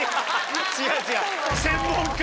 違う違う。